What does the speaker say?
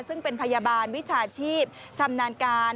ซึ่งเป็นพยาบาลวิชาชีพชำนาญการ